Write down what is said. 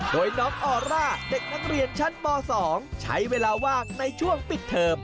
โดยน้องออร่าเด็กนักเรียนชั้นม๒ใช้เวลาว่างในช่วงปิดเทอม